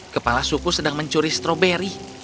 kepala suku sedang mencuri stroberi